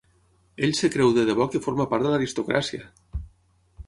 Ell es creu de debò que forma part de l'aristocràcia!